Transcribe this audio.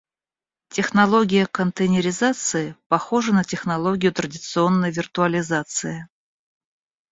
Технология контейнеризации похожа на технологию традиционной виртуализации